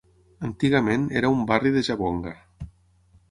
Antigament era un "barri" de Jabonga.